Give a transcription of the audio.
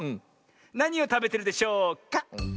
なにをたべてるでしょうか？